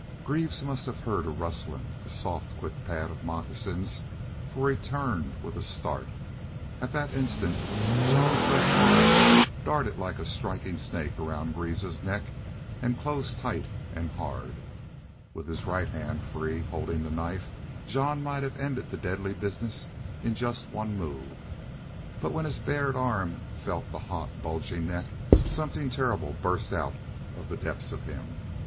Greaves must have heard a rustling a soft, quick pad of moccasin, for he turned with a start. And that instant Jean's left arm darted like a striking snake round Greaves's neck and closed tight and hard. With his right hand free, holding the knife, Jean might have ended the deadly business in just one move. But when his bared arm felt the hot, bulging neck something terrible burst out of the depths of him.